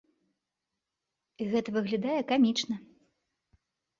І гэта выглядае камічна.